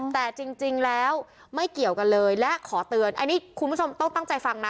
แต่จริงแล้วไม่เกี่ยวกันเลยและขอเตือนอันนี้คุณผู้ชมต้องตั้งใจฟังนะ